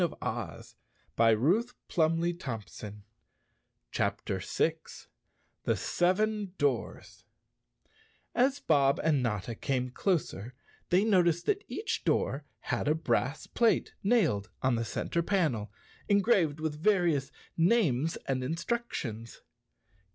repeated Notta, scratch CHAPTER 6 The Seven Doors A S Bob and Notta came closer, they noticed that each door had a brass plate nailed on the center panel, engraved with various names and instructions.